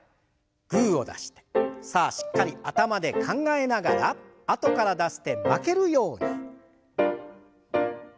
グーを出してさあしっかり頭で考えながらあとから出す手負けるように。